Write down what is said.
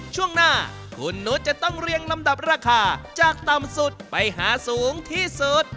ช่วงหน้าคุณนุษย์จะต้องเรียงลำดับราคาจากต่ำสุดไปหาสูงที่สุด